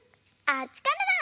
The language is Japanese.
あっちからだ！